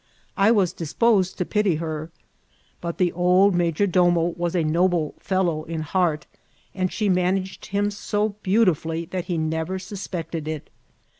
I was disposed to pity her ; but the old major domo was a noble fellow in heart, and she managed him so beautifully that he never suspect* ed it.